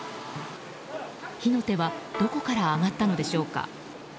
火の手はどこから上がったのでしょうか。